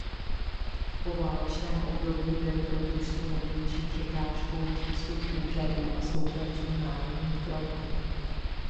V poválečném období byl pro družstvo největší překážkou přístup úřadů a stoupenců Národní fronty.